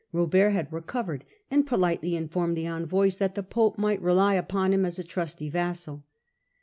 Robert had recovered, and politely informed the envoys that the pope might rely upon him as a trusty vassal.